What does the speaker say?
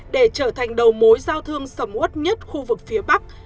để trở thành đầu mối giao thương sầm út nhất khu vực phía bắc